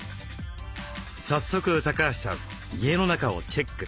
早速橋さん家の中をチェック。